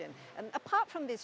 dan selain dari perubahan ini